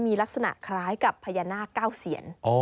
มีลักษณะคล้ายกับพญานาคเก้าเซียน